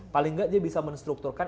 paling nggak dia bisa menstrukturkan